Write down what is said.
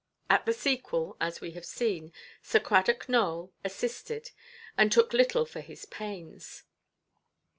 At the sequel, as we have seen, Sir Cradock Nowell assisted, and took little for his pains.